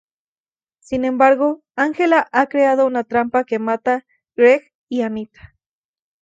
Sin embargo, Angela ha creado una trampa que mata Greg y Anita.